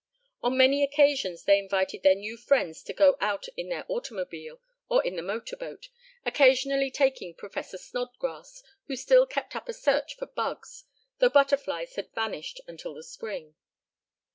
On many occasions they invited their new friends to go out in their automobile or in the motor boat, occasionally taking Professor Snodgrass, who still kept up a search for bugs, though butterflies had vanished until the spring.